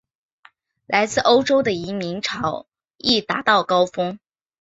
来自欧洲的移民潮亦达到高峰。